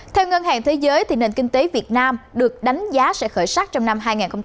theo ngân hàng thế giới nền kinh tế việt nam được đánh giá sẽ khởi sắc trong năm hai nghìn hai mươi